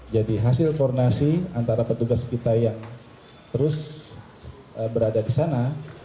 jadi hasil koordinasi antara petugas kita yang terus berada di sana